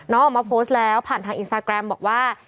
ออกมาโพสต์แล้วผ่านทางอินสตาแกรมบอกว่า